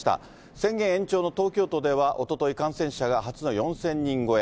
宣言延長の東京都では、おととい、感染者が初の４０００人超え。